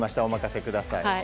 お任せください。